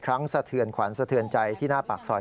สะเทือนขวัญสะเทือนใจที่หน้าปากซอย